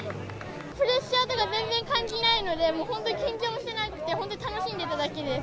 プレッシャーとか全然感じないので、もう本当に緊張もしてないので、本当に楽しんでただけです。